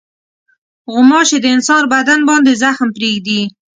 غوماشې د انسان بدن باندې زخم پرېږدي.